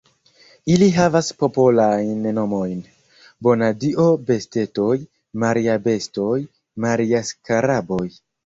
Ili havas popolajn nomojn: Bona-Dio-bestetoj, Maria-bestoj, Maria-skaraboj.